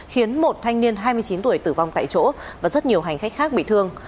khiến một thanh niên hai mươi chín tuổi tử vong tại chỗ và rất nhiều hành khách khác bị thương